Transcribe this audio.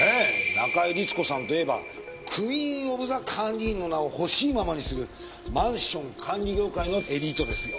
中井律子さんといえばクイーン・オブ・ザ・管理員の名をほしいままにするマンション管理業界のエリートですよ。